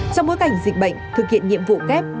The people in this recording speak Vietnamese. trong bối cảnh dịch bệnh thực hiện nhiệm vụ kép